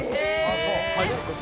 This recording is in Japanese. あっそう？